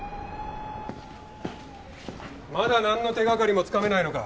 まだなんの手掛かりもつかめないのか？